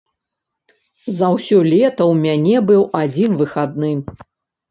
За ўсё лета ў мяне быў адзін выхадны.